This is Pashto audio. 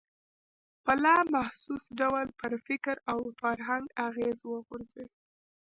په لا محسوس ډول پر فکر او فرهنګ اغېز وغورځوي.